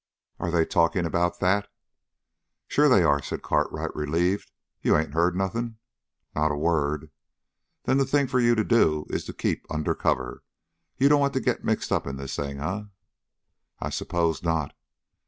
"Are they talking about that?" "Sure they are," said Cartwright, relieved. "You ain't heard nothing?" "Not a word." "Then the thing for you to do is to keep under cover. You don't want to get mixed up in this thing, eh?" "I suppose not."